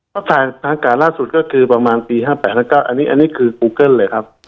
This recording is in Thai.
ถัดอากาศล่าสุดก็คือปีปี๕๘๙อันนี้คือกูเกิ้ลเลยครับ